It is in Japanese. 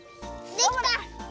できた！